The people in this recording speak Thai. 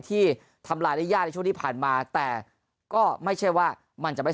ที่ทำลายได้ยากในช่วงที่ผ่านมาแต่ก็ไม่ใช่ว่ามันจะไม่